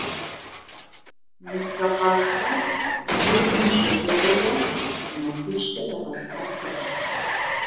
Нысэ къашар зыр зым щыгугъыурэ махуищкӏэ ягъэшхатэкъым.